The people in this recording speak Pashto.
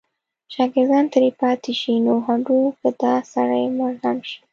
شاګردان ترې پاتې شي نو هډو که دا سړی مړ هم شي.